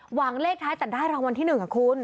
หวังเลขท้ายแต่ได้รางวัลที่๑ค่ะคุณ